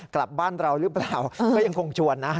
กลับบ้านเราหรือเปล่าก็ยังคงชวนนะ